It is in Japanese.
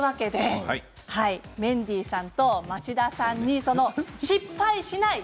メンディーさんと町田さんに失敗しない！